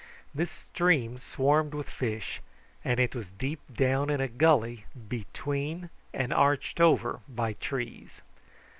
This stream swarmed with fish, and it was deep down in a gully between and arched over by trees.